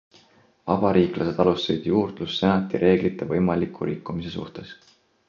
Vabariiklased alustasid juurdlust senati reeglite võimaliku rikkumise suhtes.